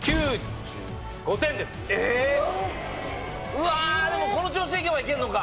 うわでもこの調子で行けば行けんのか。